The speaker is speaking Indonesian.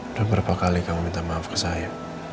sudah berapa kali kamu minta maaf ke saya